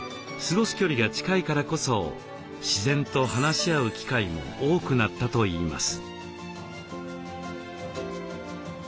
距離が近いからこそ自然と話し合う機会も多くなったといいます。